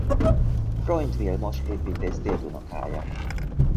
Freund Vilmos építész dédunokája.